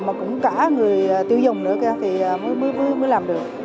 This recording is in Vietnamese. mà cũng cả người tiêu dùng nữa thì mới làm được